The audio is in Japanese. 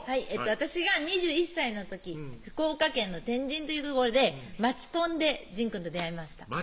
私が２１歳の時福岡県の天神という所で街コンで仁くんと出会いました街